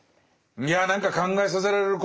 いや何か考えさせられることがね。